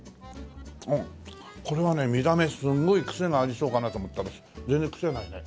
これはね見た目すごいクセがありそうかなと思ったけど全然クセないね。